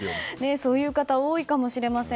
そういう方多いかもしれません。